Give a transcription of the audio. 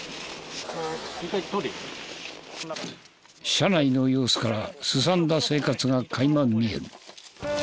車内の様子からすさんだ生活が垣間見える。